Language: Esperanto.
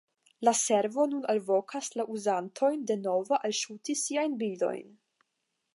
La servo nun alvokas la uzantojn denove alŝuti siajn bildojn.